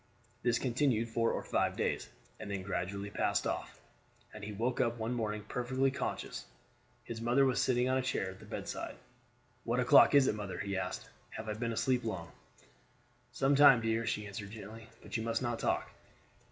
This continued four or five days, and then gradually passed off; and he woke up one morning perfectly conscious. His mother was sitting on a chair at the bedside. "What o'clock is it, mother?" he asked. "Have I been asleep long?" "Some time, dear," she answered gently; "but you must not talk.